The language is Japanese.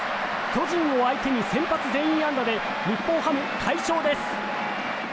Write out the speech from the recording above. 巨人を相手に先発全員安打で日本ハム、快勝です。